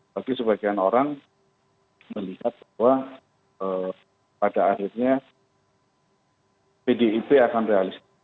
bagi sebagian orang melihat bahwa pada akhirnya pdip akan realistis